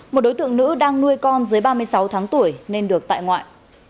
một đối tượng nữ đang nuôi con dưới ba mươi sáu tháng tuổi nên được tại ngoại